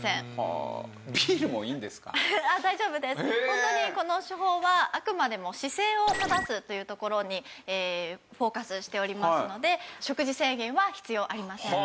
ホントにこの手法はあくまでも姿勢を正すというところにフォーカスしておりますので食事制限は必要ありません。